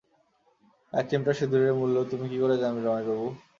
এক চিমটি সিঁদুরের মূল্য, তুমি কী করে জানবে রমেশ বাবু?